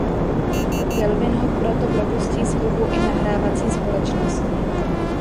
Kelvin ho proto propustí z klubu i nahrávací společnosti.